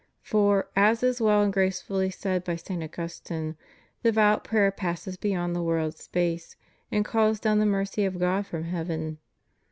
For, as is well and gracefully said by St. Augustine, devout prayer passes beyond the world's space and calls down the mercy of God from heaven.